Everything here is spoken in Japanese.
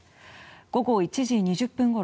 午後１時２０分ごろ